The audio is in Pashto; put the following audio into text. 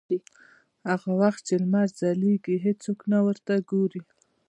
هغه وخت چې لمر ځلېږي هېڅوک نه ورته ګوري.